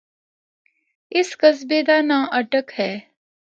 اس قصبے دا ناں اٹک ہے۔